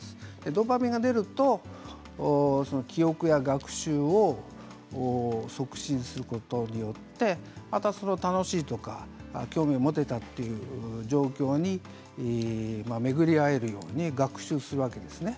ドーパミンが出ると、記憶や学習を促進することによってまた、それも楽しいとか興味を持てたという状況に巡り合えるように学習するわけです。